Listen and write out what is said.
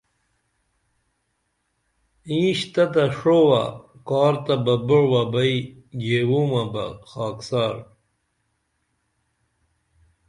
انیش تتہ ݜعووہ کار تہ بہ بعووہ بئی گیوومہ بہ خاکسار